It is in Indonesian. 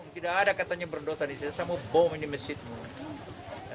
tidak ada katanya berendosaan saya mau bom di masjid